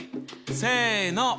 せの！